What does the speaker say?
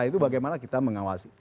itu bagaimana kita mengawasi